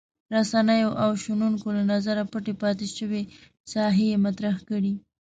رسنیو او شنونکو له نظره پټې پاتې شوې ساحې یې مطرح کړې.